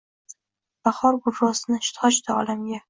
Bahor gurrosini sochdi olamga.